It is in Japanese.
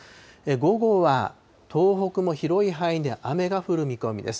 午後は東北も広い範囲で雨が降る見込みです。